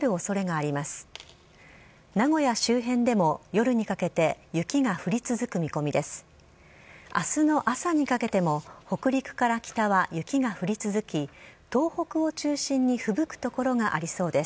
あすの朝にかけても北陸から北は雪が降り続き、東北を中心にふぶく所がありそうです。